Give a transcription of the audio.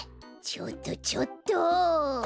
ちょっとちょっと！